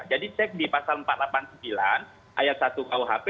jadi cek di pasal empat ratus delapan puluh sembilan ayat satu kuhp